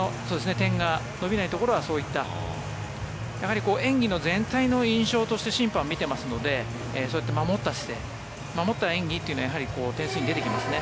点が伸びないところはそういった演技の全体の印象として審判は見てますので守った姿勢守った演技というのは点数に出てきますね。